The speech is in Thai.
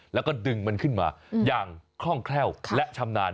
แล้วก็ดึงมันขึ้นมาอย่างคล่องแคล่วและชำนาญ